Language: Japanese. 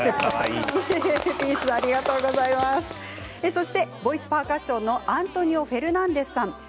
そしてボイスパーカッションのアントニオ・フェルナンデスさん